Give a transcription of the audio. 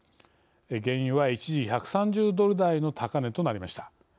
原油は、一時１３０ドル台の高値となりました。